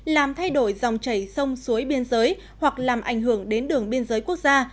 làm thay đổi dòng chảy sông suối biên giới hoặc làm ảnh hưởng đến đường biên giới quốc gia